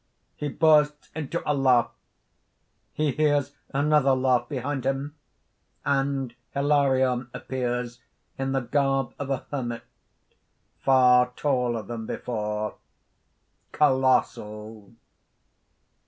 He bursts into a laugh. He hears another laugh behind him; and Hilarion appears, in the garb of a hermit, far taller than before, colossal.